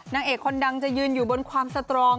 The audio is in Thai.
นางเอกคนดังจะยืนอยู่บนความสตรอง